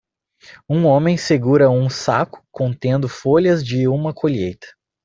Um homem segura um saco contendo folhas de uma colheita